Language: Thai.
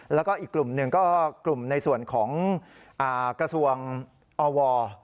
แล้วก็อีกกลุ่มหนึ่งก็กลุ่มในส่วนของกระทรวงอว